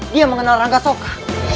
dia mengenal rangga soka